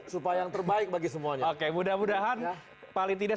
semoga semuanya baik